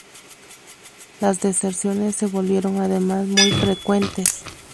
Las deserciones se volvieron además muy frecuentes.